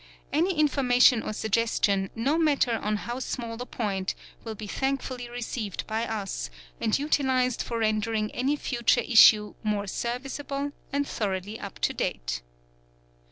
Any information or suggestion, no matter on how small a point, will be thankfully received by us and utilised for rendering any future igpe more serviceable and thoroughly up to date.